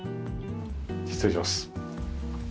失礼します。